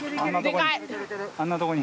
あんなとこに。